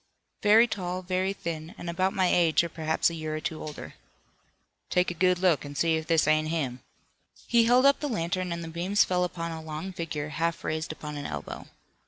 "Very tall, very thin, and about my age or perhaps a year or two older." "Take a good look, an' see if this ain't him." He held up the lantern and the beams fell upon a long figure half raised upon an elbow.